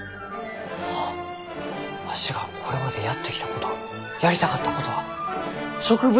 あわしがこれまでやってきたことやりたかったことは植物